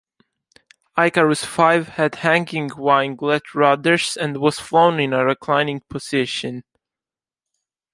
Icarus Five had hanging winglet rudders and was flown in a reclining position.